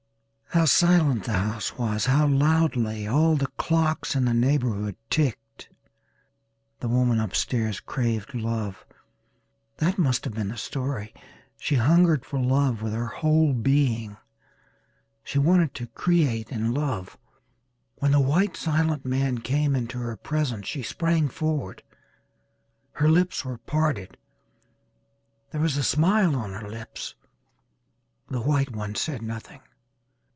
How silent the house was how loudly all the clocks in the neighborhood ticked. The woman upstairs craved love. That must have been the story. She hungered for love with her whole being. She wanted to create in love. When the white silent man came into her presence she sprang forward. Her lips were parted. There was a smile on her lips. The white one said nothing.